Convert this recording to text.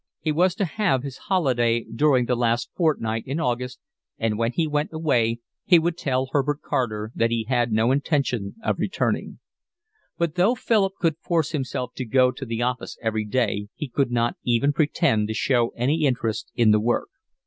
He was to have his holiday during the last fortnight in August, and when he went away he would tell Herbert Carter that he had no intention of returning. But though Philip could force himself to go to the office every day he could not even pretend to show any interest in the work.